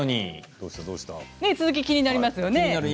続きが気になりますよね